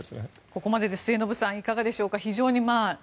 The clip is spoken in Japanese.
ここまでで末延さんいかがでしょう。